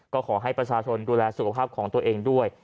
ก็ขอให้ประชาชนดูแลสุขภาพของตัวเองด้วย